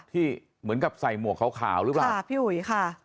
ที่เหมือนกับใส่หมวกขาวหรือเปล่าค่ะพี่อุ๋ยค่ะ